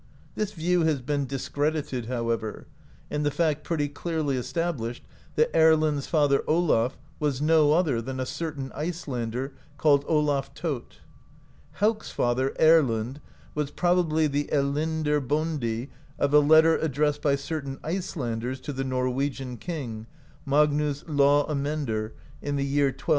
This view has been discredited, however, and the fact pretty clearly established that Erlend's father, Olaf, was no other than a certain Icelander called Olaf Tot Hauk's father, Erlend, was probably the "Ellindr bondi" of a letter addressed by certain Icelanders to the Norwegian king, Magnus Law Amender, in the year 1275.